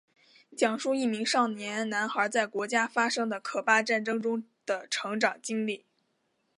讲述一名少年男孩在国家发生的可怕战争中的成长经历。